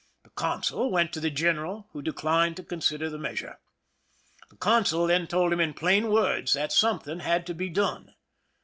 The consul went to the general, who declined to consider the measure. The consul then told him in plain words that some thing had to be done.